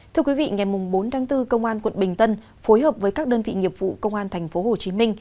thưa quý vị ngày bốn tháng bốn công an quận bình tân phối hợp với các đơn vị nghiệp vụ công an tp hcm